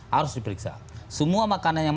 harus diperiksa semua makanan yang